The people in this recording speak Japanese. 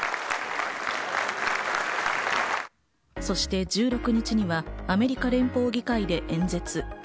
そして１６日にはアメリカ連邦議会で演説。